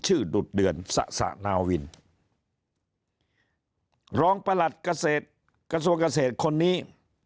ดุดเดือนสะสะนาวินรองประหลัดเกษตรกระทรวงเกษตรคนนี้